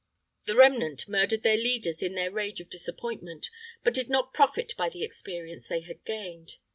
The remnant murdered their leaders in their rage of disappointment, but did not profit by the experience they had gained.